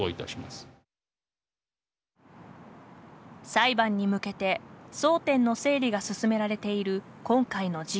裁判に向けて争点の整理が進められている今回の事故。